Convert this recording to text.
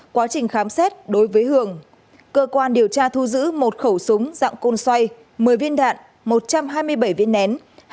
quá trình khám xét đối với hường cơ quan điều tra thu giữ một khẩu súng dạng côn xoay một mươi viên đạn một trăm hai mươi bảy viên nén